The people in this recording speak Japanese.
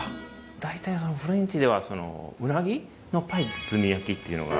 大体フレンチではウナギのパイ包み焼きっていうのが。